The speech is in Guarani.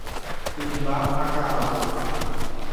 Tymba ha ka'avo.